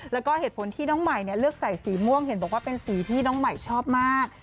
แล้วก็เหตุผลที่น้องใหม่เลือกใส่สีม่วงเห็นบอกว่าเป็นสีที่น้องใหม่ชอบมาก